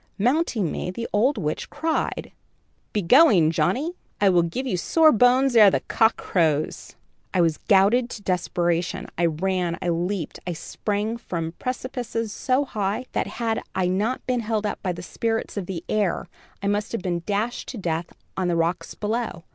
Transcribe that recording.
Mounting me, the old witch cried: "'Be going, Johnnie, I will give you sore bones ere the cock crows.' [Illustration: "We all rose in the air on broomsticks."] "I was goaded to desperation. I ran, I leaped, I sprang from precipices so high, that, had I not been held up by the spirits of the air, I must have been dashed to death on the rocks below.